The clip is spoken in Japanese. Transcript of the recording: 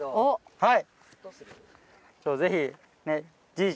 はい。